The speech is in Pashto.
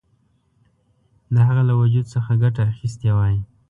د هغه له وجود څخه ګټه اخیستې وای.